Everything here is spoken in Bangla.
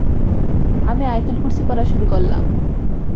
আমি আয়তুল কুরসি পড়া শুরু করলাম।